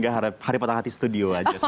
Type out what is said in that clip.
hari patah hati studio aja